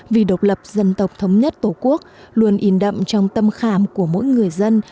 vì độc lập dân tộc thống nhất tổ quốc luôn in đậm trong tâm khảm của mỗi người dân